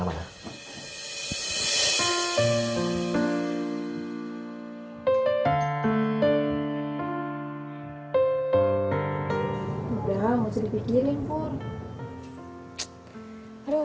gak ada hal yang harus dipikirin pur